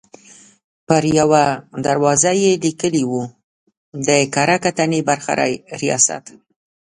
پر یوه دروازه یې لیکلي وو: د کره کتنې برخې ریاست.